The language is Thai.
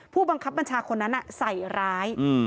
ผู้บังคับบัญชาคนนั้นใส่ร้าย